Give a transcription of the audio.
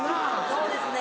そうですね。